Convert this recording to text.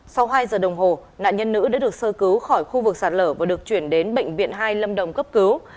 sau hai giờ đồng hồ nạn nhân nữ đã được sơ cứu khỏi khu vực sạt lở và được chuyển đến bệnh viện hai lâm đồng cấp cứu